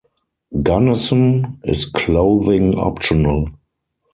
Gunnison is clothing optional.